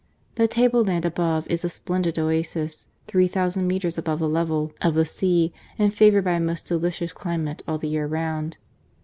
The table land above is a splendid oasis, three thousand metres above the level of the vi PREFACE. sea, and favoured by a most delicious climate all the year round.